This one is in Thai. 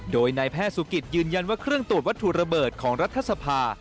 โดยนายแพทย์สุกิตยืนยันว่าเครื่องตรวจวัตถุระเบิดของรัฐสภา